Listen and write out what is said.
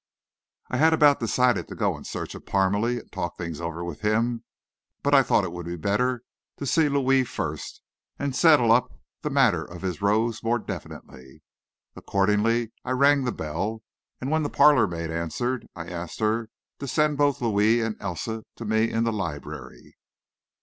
I had about decided to go in search of Parmalee, and talk things over with him, but I thought it would be better to see Louis first, and settle up the matter of his rose more definitely. Accordingly I rang the bell, and when the parlor maid answered it, I asked her to send both Louis and Elsa to me in the library.